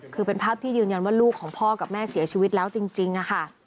คือเป็นภาพที่ยืนยันว่าลูกของพ่อกับแม่เสียชีวิตแล้วจริงค่ะ